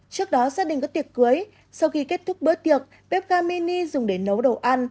trước đó gia đình có tiệc cưới sau khi kết thúc bữa tiệc bếp ga mini dùng để nấu đồ ăn